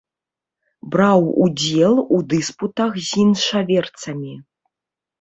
Браў удзел у дыспутах з іншаверцамі.